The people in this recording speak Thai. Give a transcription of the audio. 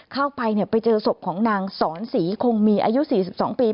เข้าไปไปเจอศพของนางสอนศรีคงมีอายุ๔๒ปี